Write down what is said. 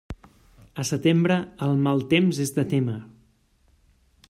A setembre, el mal temps és de témer.